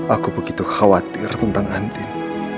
aku begitu khawatir tentang andin